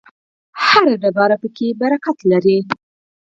هره تیږه پکې برکت لري.